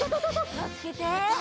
きをつけて！